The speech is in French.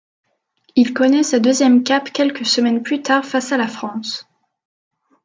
Il connait sa deuxième cape quelques semaines plus tard face à la France.